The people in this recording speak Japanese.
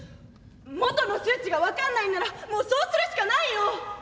元の数値が分かんないんならもうそうするしかないよ。